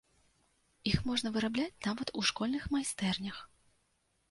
Іх можна вырабляць нават у школьных майстэрнях.